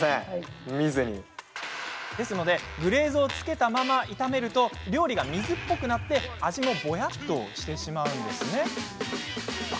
グレーズをつけたまま炒めると料理が水っぽくなって味もぼやっとしてしまいます。